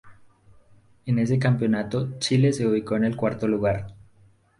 En ese campeonato Chile se ubicó en cuarto lugar.